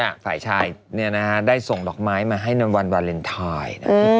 ฝ่ายชายได้ส่งดอกไม้มาให้วันวาเลนไทย